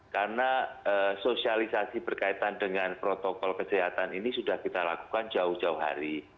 karena sosialisasi berkaitan dengan protokol kesehatan ini sudah kita lakukan jauh jauh hari